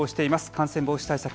感染防止対策